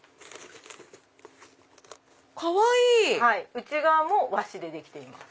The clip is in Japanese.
内側も和紙でできています。